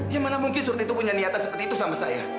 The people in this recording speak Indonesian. yang mana mungkin suruh titu punya niatan seperti itu sama saya